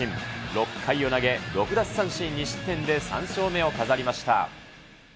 ６回を投げ、６奪三振２失点で３勝目を飾りました。